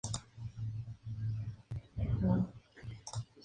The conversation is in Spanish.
Entre esas expediciones estuvo la de Pedro Teixeira.